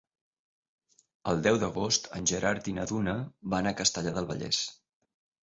El deu d'agost en Gerard i na Duna van a Castellar del Vallès.